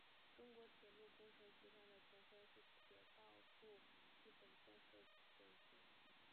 中国铁路工程集团的前身是铁道部基本建设总局。